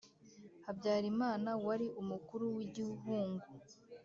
habyarimana wari umukuru w' igihungu